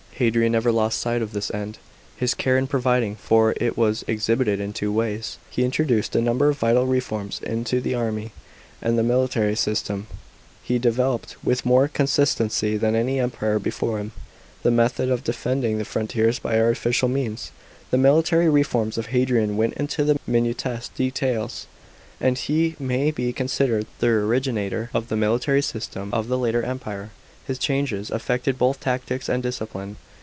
Hadrian never lost sight of this end. His care in providing for it was exhibited in two ways : (1) he introduced a number of vital reforms into the army, and the military system ; (2) he developed, with more consistency than any Emperor before him, the method of defending the frontiers by artificial means. § 9. The military reforms of Hadrian went into the minutest details, and he may be considered the originator of the military system of the later Empire. His changes affected both tactics and discipline.